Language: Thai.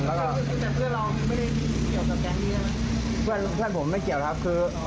แต่เพื่อนเรามันไม่ได้เกี่ยวกับแฟนดีกว่า